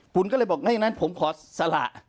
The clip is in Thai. คุณก็เลยบอกไม่อย่างนั้นผมขอสละ